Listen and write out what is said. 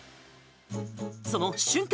その瞬間